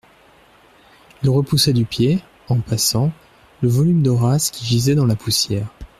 Il repoussa du pied,-en passant, le volume d'Horace qui gisait dans la poussière.